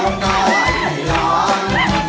ร้องได้ให้ล้าน